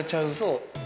そう。